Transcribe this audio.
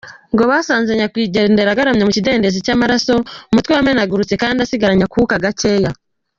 Ngo basanze Nyakwigendera agaramye mu kidendezi cy'amaraso, umutwe wamenaguwe kandi asigaranye akuka gakeya.